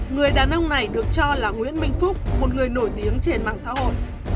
người đàn ông này được cho là nguyễn minh phúc một người nổi tiếng trên mạng xã hội